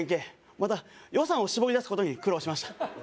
また予算をしぼり出すことに苦労しました